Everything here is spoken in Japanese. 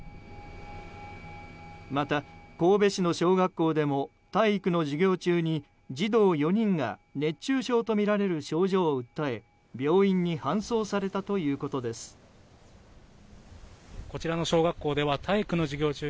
また、神戸市の小学校でも体育の授業中に児童４人が熱中症とみられる症状を訴え病院に搬送されたということです。